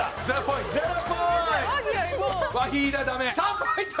０ポイント！